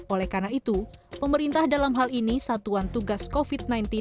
oleh karena itu pemerintah dalam hal ini satuan tugas covid sembilan belas